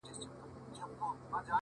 چي هر څه یم په دنیا کي ګرځېدلی!